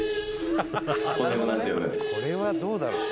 これはどうだろう？